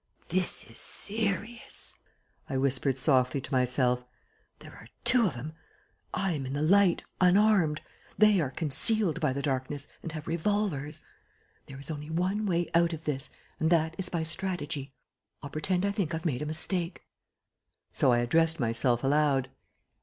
"This is serious," I whispered softly to myself. "There are two of 'em; I am in the light, unarmed. They are concealed by the darkness and have revolvers. There is only one way out of this, and that is by strategy. I'll pretend I think I've made a mistake." So I addressed myself aloud.